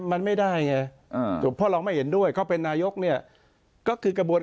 มันไม่ได้เพราะเราไม่เห็นด้วยเขาเป็นนายกก็คือกระบวน